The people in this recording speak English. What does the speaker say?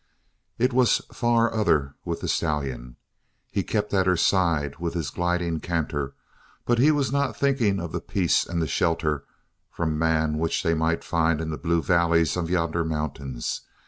It was far other with the stallion. He kept at her side with his gliding canter but he was not thinking of the peace and the shelter from man which they might find in the blue valleys of yonder mountains.